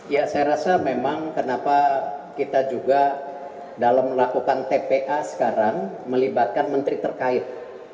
ya saya rasa memang kenapa kita juga dalam melakukan tpa sekarang melibatkan menteri terkait